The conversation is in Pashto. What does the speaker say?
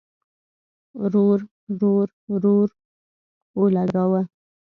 رور، رور، رور اولګوو